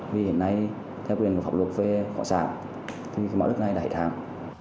vì hiện nay theo quyền của phòng luật về khóa sản mẫu đất này đã hệ thẳng